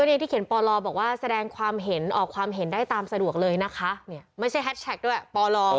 เนี่ยที่เขียนปลบอกว่าแสดงความเห็นออกความเห็นได้ตามสะดวกเลยนะคะเนี่ยไม่ใช่แฮชแท็กด้วยปล